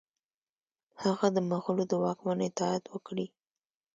هغه د مغولو د واکمن اطاعت وکړي.